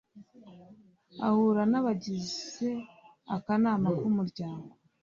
ahura n'abagize akanama k'umuryango